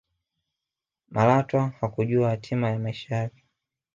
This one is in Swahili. malatwa hakujua hatima ya maisha yake